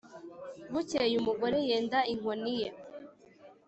bukeye umugore yenda inkoni ye,